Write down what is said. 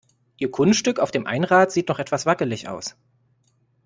Ihr Kunststück auf dem Einrad sieht noch etwas wackelig aus.